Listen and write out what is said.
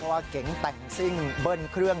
ว่าเก๋งแต่งซิ่งเบิ้ลเครื่อง